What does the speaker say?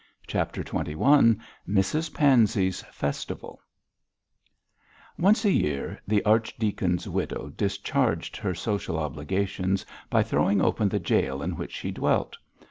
CHAPTER XXI MRS PANSEY'S FESTIVAL Once a year the archdeacon's widow discharged her social obligations by throwing open the gaol in which she dwelt.